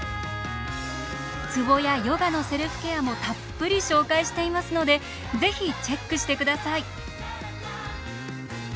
ツボやヨガのセルフケアもたっぷり紹介していますので是非チェックしてください。